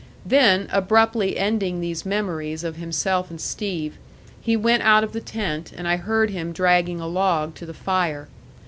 Then, abruptly ending these memories of himself and Steve, he went out of the tent, and I heard him dragging a log to the fire.